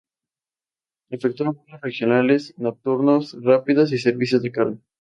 Efectúa vuelos regionales nocturnos rápidos y servicios de carga.